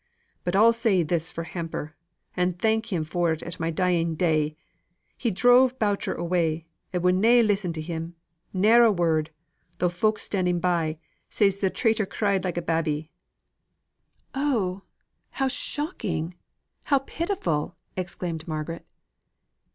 But I'll say this for Hamper, and thank him for it at my dying day, he drove Boucher away, and would na listen to him ne'er a word though folk standing by, says the traitor cried like a babby!" "Oh! how shocking! how pitiful!" exclaimed Margaret.